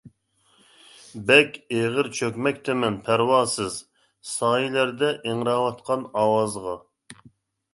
بەك ئېغىر چۆكمەكتىمەن پەرۋاسىز، سايىلەردە ئىڭراۋاتقان ئاۋازغا.